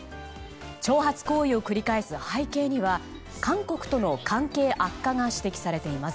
挑発行為を繰り返す背景には韓国との関係悪化が指摘されています。